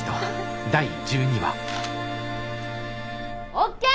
ＯＫ